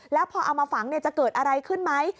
แล้วพอเอามาฝังจะเกิดอะไรขึ้นไหม